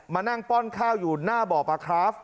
มานั่งป้อนข้าวอยู่หน้าบ่อปลาคราฟ